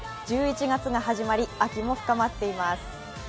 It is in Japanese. １１月が始まり、秋も深まっています